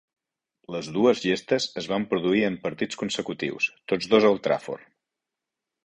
Les dues gestes es van produir en partits consecutius, tots dos a Old Trafford.